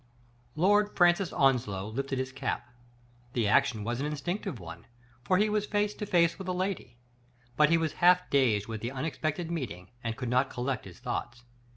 Lord Francis Onslow lifted his cap. The action was an instinctive one, for he was face to face with a lady ; but he was half dazed with the unexpected meeting, and could not collect his thoughts.